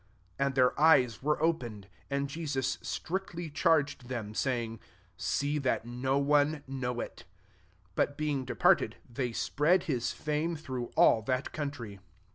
30 And their eyes were opened; and Jesus strictly charg ed them, saying, " See that no one know UP 31 But being departed, they spread his fame through all that country.